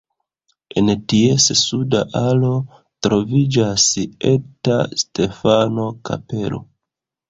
En ties suda alo troviĝas eta Stefano-kapelo.